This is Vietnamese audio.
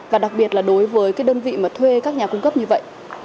và đặc biệt là đối với cái đơn vị mà thuê các nhà cung cấp như vậy